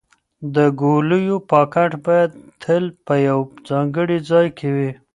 د ګولیو پاکټ باید تل په یو ځانګړي ځای کې وي.